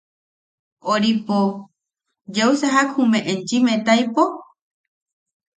–... Oripo... ¿Yeu sajak jume enchim etaipo?